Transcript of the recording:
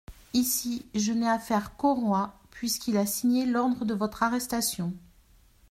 Ici, je n'ai affaire qu'au roi, puisqu'il a signé l'ordre de votre arrestation.